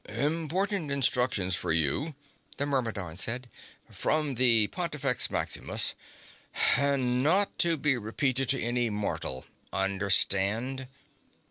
"Important instructions for you," the Myrmidon said. "From the Pontifex Maximus. And not to be repeated to any mortal understand?"